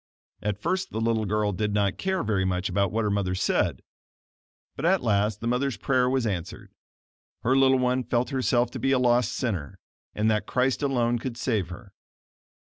At first the little girl did not care very much about what her mother said, but at last the mother's prayer was answered. Her little one felt herself to be a lost sinner, and that Christ alone could save her.